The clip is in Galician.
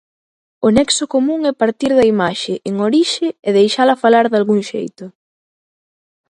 O nexo común é partir da imaxe, en orixe, e deixala falar dalgún xeito.